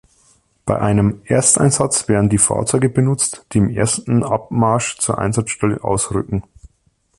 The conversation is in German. Bei einem Ersteinsatz werden die Fahrzeuge benutzt, die im ersten Abmarsch zur Einsatzstelle ausrücken.